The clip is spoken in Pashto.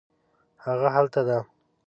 هغه هلته ده